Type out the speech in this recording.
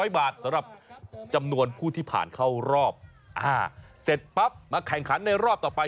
๐บาทสำหรับจำนวนผู้ที่ผ่านเข้ารอบเสร็จปั๊บมาแข่งขันในรอบต่อไป